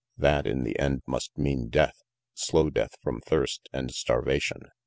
That in the end must mean death, slow death from thirst and starvation.